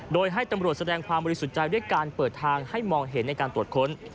โดยให้ตำรวจแสดงความบริสุทธิ์ใจด้วยการเปิดทางให้มองเห็นในการตรวจค้น